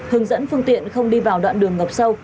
hướng dẫn phương tiện không đi vào đoạn đường ngập sâu